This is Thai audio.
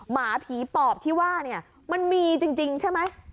หมาผีปอบที่ว่าเนี่ยมันมีจริงใช่ไหม